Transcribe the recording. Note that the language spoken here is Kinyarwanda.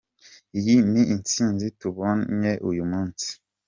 Iyi ni intsinzi tubonye uyu munsi.